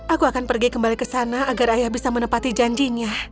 aku akan pergi kembali ke sana agar ayah bisa menepati janjinya